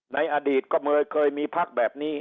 ในอดีตก็เมื่อเคยมีภักดิ์แบบนี้